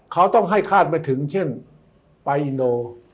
เขาต้องให้คาดไปถึงเช่นปาอิโน